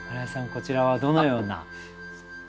こちらはどのような？